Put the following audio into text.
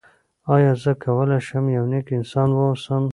آیا زه کولی شم یو نېک انسان واوسم؟